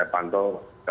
jadi apa istilahnya